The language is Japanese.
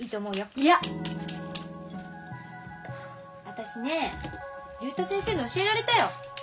私ね竜太先生に教えられたよ。